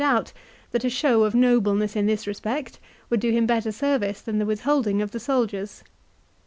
137 doubt, that a show of nobleness in this respect would do him better service than the withholding of the soldiers.